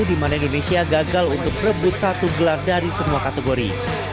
di mana indonesia gagal untuk rebut satu gelar dari semua kategori